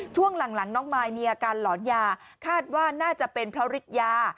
ช่วงหลังน้องมายมีอาการหลอนยาคาดว่าน่าจะเป็นเพราะฤทธิ์ยา